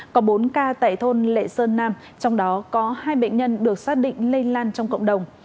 có bốn ca tại thôn lệ sơn nam trong đó có hai bệnh nhân được xác định lây lan trong cộng đồng